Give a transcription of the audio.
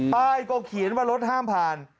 ป้ายก็เขียนว่ารถห้ามผ่าน